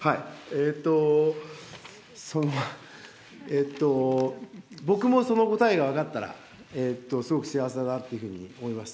えーと、僕もその答えが分かったら、すごく幸せだなっていうふうに思います。